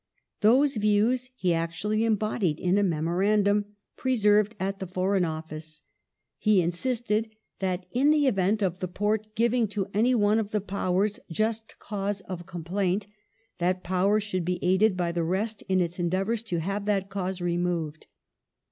^ Those views he actually embodied in a Memorandum preserved at the Foreign Office. He insisted :that, in the event of the Porte giving to anyone of the Powers just cause of complaint, that Power should be aided by the rest in its endeavoui s to have that cause removed.